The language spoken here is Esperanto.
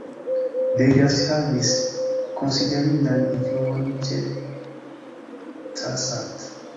Degas havis konsiderindan influon ĉe Cassatt.